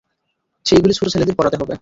সেইগুলি ছোট ছেলেদের পড়াতে হবে।